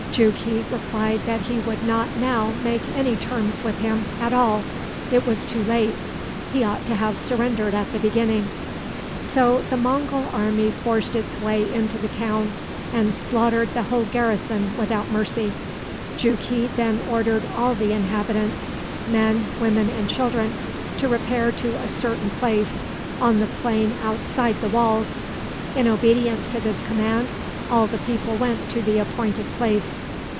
Jughi replied that he would not now make any terms with him at all. It was too late. He ought to have surrendered at the beginning. So the Mongul army forced its way into the town, and slaughtered the whole garrison without mercy. Jughi then ordered all the inhabitants, men, women, and children, to repair to a certain place on the plain outside the walls. In obedience to this command, all the people went to the appointed place.